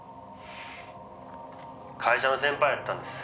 「会社の先輩やったんです」